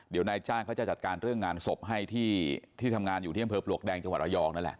เดี๋ยวนายจ้างเขาจะจัดการเรื่องงานศพให้ที่ทำงานอยู่ที่อำเภอปลวกแดงจังหวัดระยองนั่นแหละ